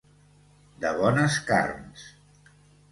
De bones carns.